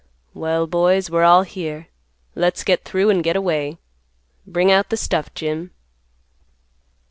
"Well, boys, we're all here. Let's get through and get away. Bring out the stuff, Jim."